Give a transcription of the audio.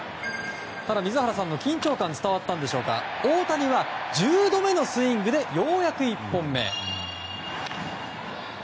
ただ、水原さんの緊張感伝わったんでしょうか大谷は１０度目のスイングでようやく１本目。